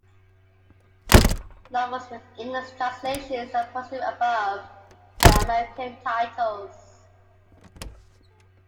Novels with English translations are posted above with their American titles.